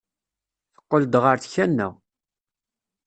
Teqqel-d ɣer tkanna.